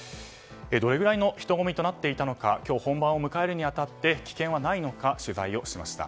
どれぐらいの人混みとなっていたのか今日、本番を迎えるに当たって危険はないのか取材をしました。